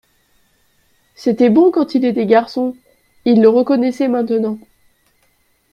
C'était bon quand il était garçon ! Il le reconnaissait maintenant.